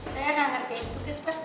saya gak ngerti yang ditugas pak